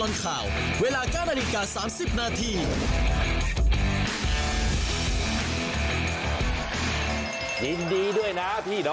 นายจะได้ผู้โชคดีหรือยัง